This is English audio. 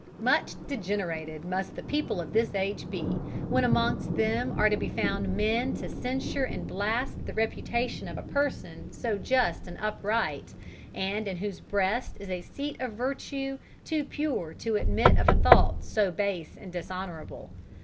Much degenerated must the people of this age be, when amongst them are to be found men to censure and blast the reputation of a person so just and upright, and in whose breast is a seat of virtue too pure to admit of a thought so base and dishonorable.